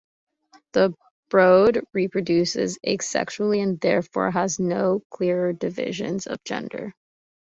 The Brood reproduces asexually and therefore has no clear divisions of gender.